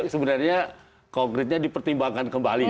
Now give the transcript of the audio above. sebenarnya konkretnya dipertimbangkan kembali